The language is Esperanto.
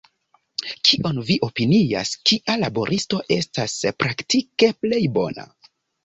Kion vi opinias, kia laboristo estas praktike plej bona?